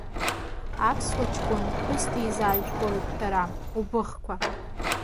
Аԥсуа ҷкәын ԥҳәыс дизаажәгоит, шәара, убыхқәа.